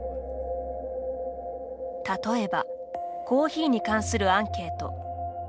例えばコーヒーに関するアンケート。